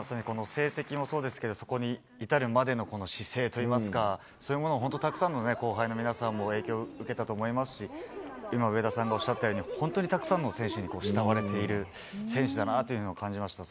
成績もそうですけど、そこに至るまでのこの姿勢といいますか、そういうものを本当、たくさんの後輩の皆さんも影響を受けたと思いますし、今、上田さんがおっしゃったように、本当にたくさんの選手に慕われている選手だなぁというふうにも感じました。